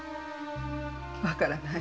分からない。